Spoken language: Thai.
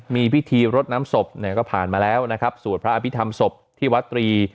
มีพิธีรดน้ำศพเนี่ยก็ผ่านมาแล้วนะครับสวดพระอภิษฐรรมศพที่วัตรี